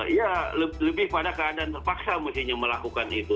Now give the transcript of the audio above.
ya lebih pada keadaan terpaksa mestinya melakukan itu